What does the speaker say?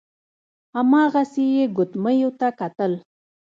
هماغسې يې ګوتميو ته کتل.